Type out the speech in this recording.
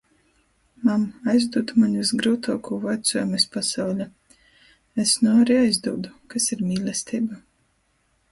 Mam, aizdūt maņ vysgryutuokū vaicuojumu iz pasauļa! Es nu ari aizdūdu: "Kas ir mīlesteiba?"